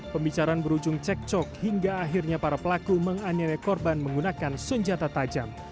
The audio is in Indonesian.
pembicaraan berujung cek cok hingga akhirnya para pelaku menganiaya korban menggunakan senjata tajam